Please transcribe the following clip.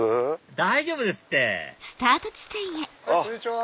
大丈夫ですってこんにちは。